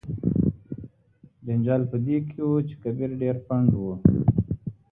جنجال په دې کې و چې کبیر ډیر پنډ و.